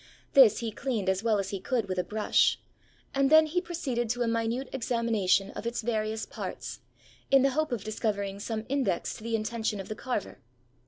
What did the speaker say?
This he cleaned as well as he could with a brush; and then he proceeded to a minute examination of its various parts, in the hope of discovering some index to the intention of the carver.